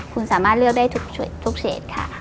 คุณสามารถเลือกได้ทุกเศษค่ะ